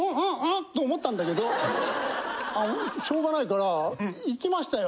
ん？と思ったんだけどしょうがないから行きましたよ。